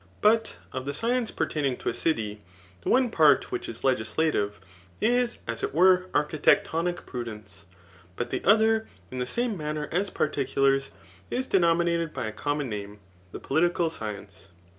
But of the science pertaining to a city, the one part which is legislative, is as it were architectonic pru dence, but the other, in the same manner as particulars, is denominated by a common name, the political science.